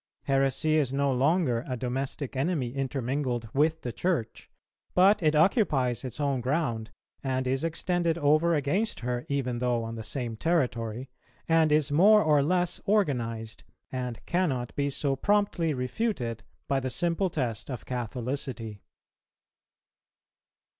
Heresy is no longer a domestic enemy intermingled with the Church, but it occupies its own ground and is extended over against her, even though on the same territory, and is more or less organized, and cannot be so promptly refuted by the simple test of Catholicity.